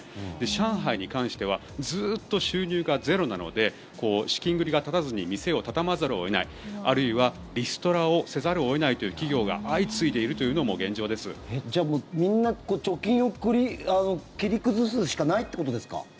上海に関してはずっと収入がゼロなので資金繰りが立たずに店を畳まざるを得ないあるいはリストラせざるを得ないという企業が相次いでいるというのがじゃあみんな貯金を切り崩すしかないということですか。